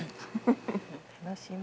楽しみ。